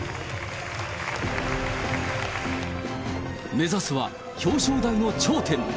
目指すは表彰台の頂点。